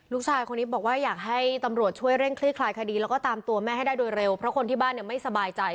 ลูกชายคนนี้บอกว่าอยากให้ตำรวจช่วยเร่งคลี่คลายคดีแล้วก็ตามตัวแม่ให้ได้โดยเร็วเพราะคนที่บ้านเนี่ยไม่สบายใจ